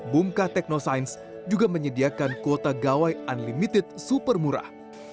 bumka teknosains juga menyediakan kuota gawai unlimited super murah